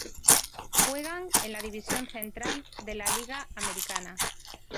Juegan en la división central de la Liga Americana.